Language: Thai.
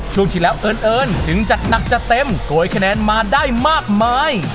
ช่วงที่แล้วเอิญถึงจัดหนักจัดเต็มโกยคะแนนมาได้มากมาย